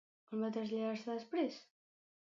On va traslladar-se després?